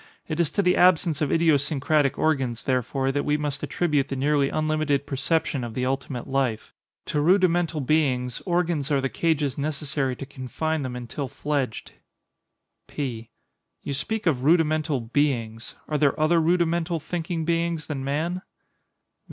It is to the absence of idiosyncratic organs, therefore, that we must attribute the nearly unlimited perception of the ultimate life. To rudimental beings, organs are the cages necessary to confine them until fledged. P. You speak of rudimental "beings." Are there other rudimental thinking beings than man?